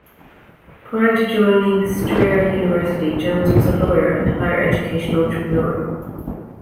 Prior to joining Strayer University, Jones was a lawyer and higher education entrepreneur.